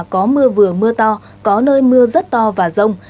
có mưa vừa mưa to có nơi mưa rất to và rông